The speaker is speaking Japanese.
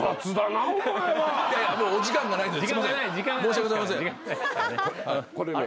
もうお時間がないので。